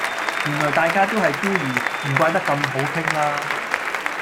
原來大家都係孤兒，唔怪得咁好傾啦